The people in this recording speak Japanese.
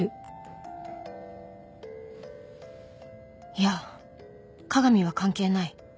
いや加賀美は関係ない